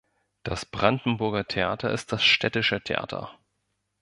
Das Brandenburger Theater ist das städtische Theater.